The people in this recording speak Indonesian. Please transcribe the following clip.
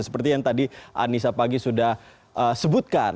seperti yang tadi anissa pagi sudah sebutkan